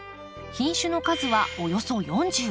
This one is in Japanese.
品種の数はおよそ４０。